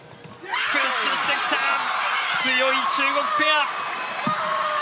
プッシュしてきた強い中国ペア。